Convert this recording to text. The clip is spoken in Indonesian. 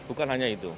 bukan hanya itu